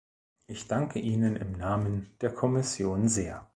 Ich danke Ihnen im Namen der Kommission sehr!